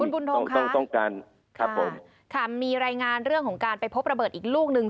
คุณบุญธงมีรายงานเรื่องของการไปพบระเบิดอีกลูกหนึ่ง